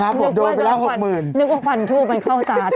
นึกว่าควันทูปมันเข้าสาธุ